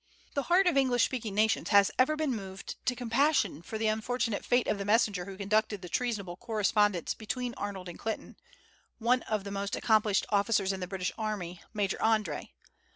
The heart of English speaking nations has ever been moved to compassion for the unfortunate fate of the messenger who conducted the treasonable correspondence between Arnold and Clinton, one of the most accomplished officers in the British army, Major André.